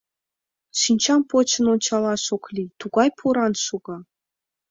Шинчам почын ончалаш ок лий, тугай поран шога.